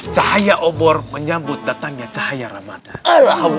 cahaya obor menyambut datangnya cahaya ramadan